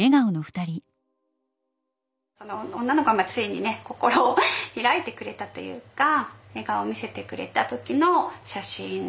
その女の子がついにね心を開いてくれたというか笑顔を見せてくれた時の写真なんです。